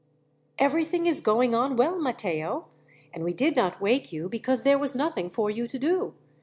"Everything is going on well, Matteo, and we did not wake you, because there was nothing for you to do.